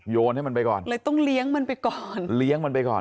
โยนให้มันไปก่อนเลยต้องเลี้ยงมันไปก่อนเลี้ยงมันไปก่อน